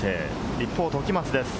一方、時松です。